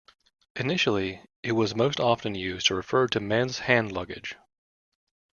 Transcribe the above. Initially, it was most often used to refer to men's hand-luggage.